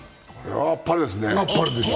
大あっぱれですよ。